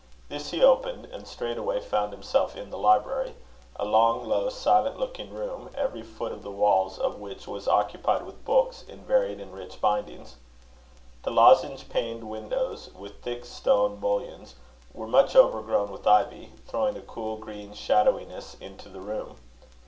This he opened, and straightway found himself in the library, a long, low, silent looking room, every foot of the walls of which was occupied with books in varied and rich bindings. The lozenge paned windows, with thick stone mullions, were much overgrown with ivy, throwing a cool green shadowiness into the room.